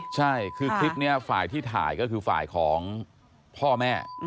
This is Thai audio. ใช่คือคลิปนี้ฝ่ายที่ถ่ายก็คือฝ่ายของพ่อแม่